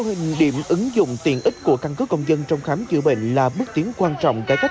hình điểm ứng dụng tiện ích của căn cứ công dân trong khám chữa bệnh là bước tiến quan trọng cải cách